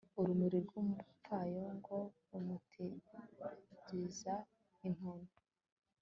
ururimi rw'umupfayongo rumutegeza inkoni